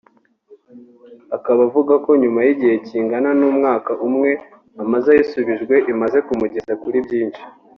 Akaba avuga ko nyuma y’igihe kingana n’umwaka umwe amaze ayisubijwe imaze kumugeza kuri byinshi